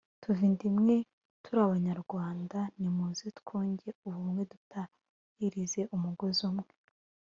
tuva inda imwe turi Abanyarwanda nimuze twunge ubumwe dutahirize umugozi umwe’’